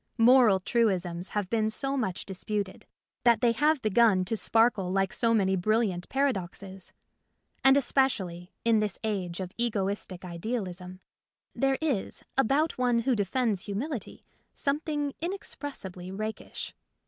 Moral truisms have been so much disputed that they have begun to sparkle like so many brilliant paradoxes. And especially (in this age of egoistic idealism) there is about one who defends humility something inexpressibly rakish.